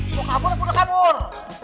mau kabur aku udah kabur